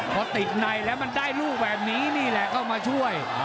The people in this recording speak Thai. พอติดในแล้วมันได้ลูกแบบนี้นี่แหละเข้ามาช่วย